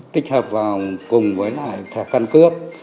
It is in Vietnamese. tích hợp vào cùng với lại thẻ căn cước